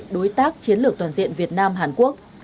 đối tác chiến lược toàn diện việt nam hàn quốc